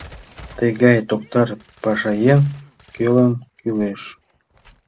Тыгай токтар пашаеҥ кӧлан кӱлеш?..